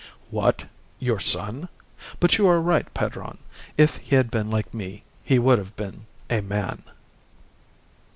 "What? Your son? But you are right, padrone. If he had been like me he would have been a man."